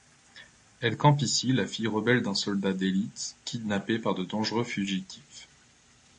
Elle campe ici la fille rebelle d’un soldat d’élite, kidnappée par de dangereux fugitifs.